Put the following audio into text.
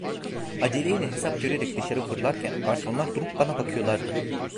Acele ile hesap görerek dışarı fırlarken, garsonlar durup bana bakıyorlardı.